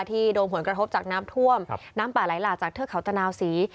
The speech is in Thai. ที่โดนผลกระทบจากน้ำท่วมน้ำป่าไหลหลากจากเทือกเขาตะนาวศรี